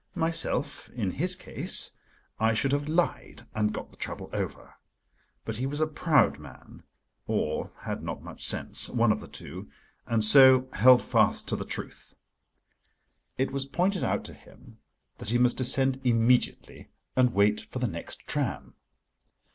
Myself, in his case, I should have lied and got the trouble over. But he was a proud man, or had not much sense—one of the two, and so held fast to the truth. It was pointed out to him that he must descend immediately and wait for the next tram.